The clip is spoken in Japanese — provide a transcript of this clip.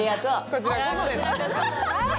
こちらこそです。